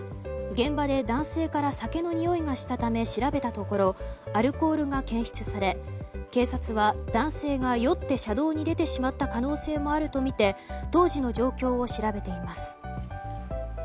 現場で男性から酒の匂いがしたため調べたところアルコールが検出され警察は男性が酔って車道に出てしまった可能性もあるとみて当時の状況を調べています。